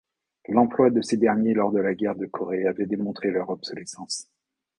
L'emploi de ces derniers lors de la guerre de Corée avait démontré leur obsolescence.